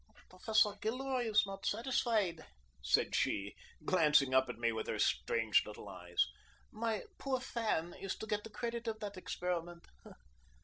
"Professor Gilroy is not satisfied," said she, glancing up at me with her strange little eyes. "My poor fan is to get the credit of that experiment.